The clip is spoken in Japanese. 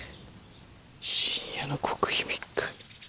「深夜の極秘密会」。